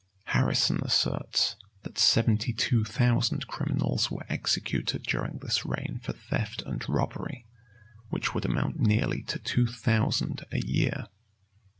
Harrison asserts, that seventy two thousand criminals were executed during this reign for theft and robbery, which would amount nearly to two thousand a year.